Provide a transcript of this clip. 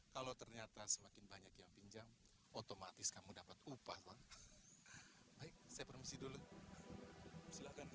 kalau ternyata semakin banyak yang pinjam otomatis kamu dapat upah bang baik saya promosi dulu silahkan